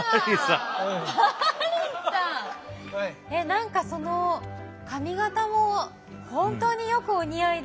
何かその髪形も本当によくお似合いで。